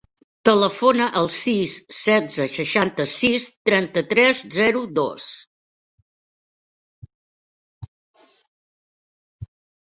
Telefona al sis, setze, seixanta-sis, trenta-tres, zero, dos.